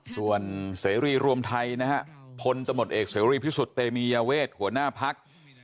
ส่วนเสรีรวมไทยพลตมตเอกเสรีพิสุธตมียเวทหัวหน้าภักดิ์